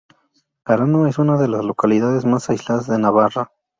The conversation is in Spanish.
Arano es una de las localidades más aisladas de Navarra.